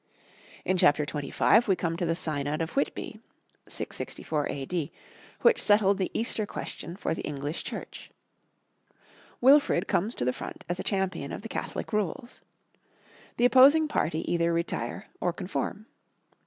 In Chapter 25 we come to the Synod of Whitby (664 A.D.), which settled the Easter question for the English Church. Wilfrid comes to the front as a champion of the Catholic rules. The opposing party either retire or conform.